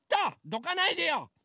どかないでよ！